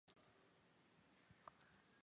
加入中国致公党。